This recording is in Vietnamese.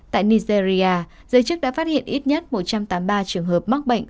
tại nigeria giới chức đã phát hiện ít nhất một trăm tám mươi ba trường hợp mắc bệnh